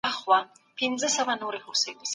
چي دا نن به را روان پر دغه پله وي